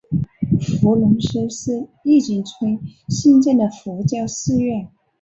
伏龙寺是义井村兴建的佛教寺院。